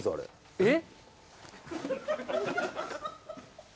えっ？